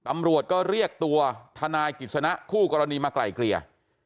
ตำรวจก็เรียกตัวทนายกิจสนะคู่กรณีมาไกลเกลี่ย